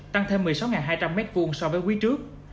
tăng thêm một mươi sáu hai trăm linh m hai so với quý trước